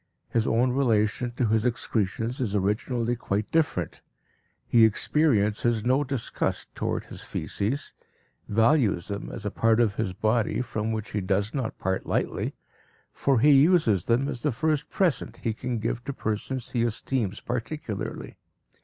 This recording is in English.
His own relation to his excretions is originally quite different. He experiences no disgust toward his faeces, values them as a part of his body from which he does not part lightly, for he uses them as the first "present" he can give to persons he esteems particularly.